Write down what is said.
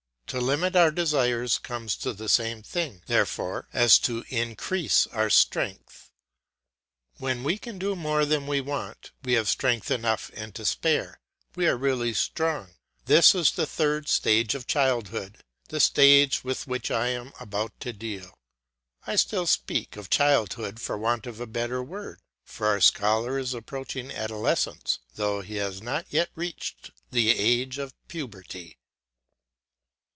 To limit our desires comes to the same thing, therefore, as to increase our strength. When we can do more than we want, we have strength enough and to spare, we are really strong. This is the third stage of childhood, the stage with which I am about to deal. I still speak of childhood for want of a better word; for our scholar is approaching adolescence, though he has not yet reached the age of puberty.